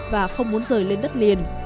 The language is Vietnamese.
và không muốn rời lên đất liền